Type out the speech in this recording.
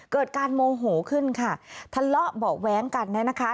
เกิดการโมโหขึ้นค่ะทะเลาะเบาะแว้งกันเนี่ยนะคะ